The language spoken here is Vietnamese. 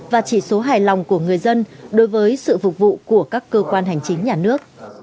và chỉ số hài lòng của người dân đối với sự phục vụ của các cơ quan hành chính nhà nước